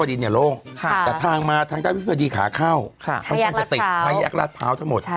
วิทยาลัยพระดิบนร่วงจะติดหายกราภาวทั้งหมด